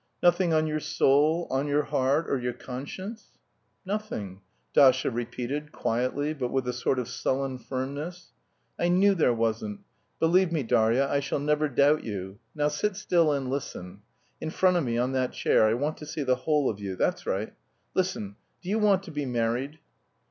"Nothing on your soul, on your heart, or your conscience?" "Nothing," Dasha repeated, quietly, but with a sort of sullen firmness. "I knew there wasn't! Believe me, Darya, I shall never doubt you. Now sit still and listen. In front of me, on that chair. I want to see the whole of you. That's right. Listen, do you want to be married?"